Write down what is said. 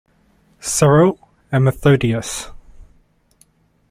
Cyril and Methodius.